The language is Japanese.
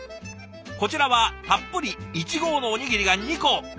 こちらはたっぷり１合のおにぎりが２個。